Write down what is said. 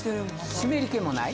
湿り気もない？